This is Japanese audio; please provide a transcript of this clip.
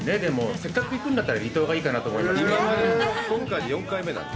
せっかく行くんだったら、離島がいいかなと思いまして。